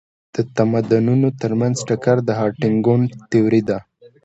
د تمدنونو ترمنځ ټکر د هانټینګټون تيوري ده.